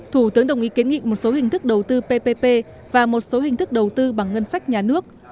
thủ tướng đồng ý kiến nghị một số hình thức đầu tư ppp và một số hình thức đầu tư bằng ngân sách nhà nước